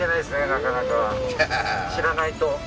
なかなか知らないと。